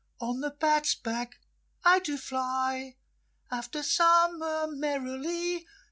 On the bat's back I do fly After summer merrily.